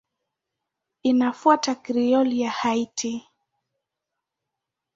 Inafuata Krioli ya Haiti.